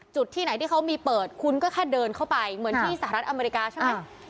จุดที่ไหนที่เขามีเปิดคุณก็แค่เดินเข้าไปเหมือนที่สหรัฐอเมริกาใช่ไหม